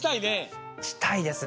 したいですね。